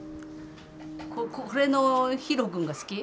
これのヒロ君が好き。